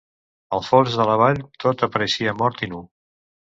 Al fons de la vall tot apareixia mort i nu.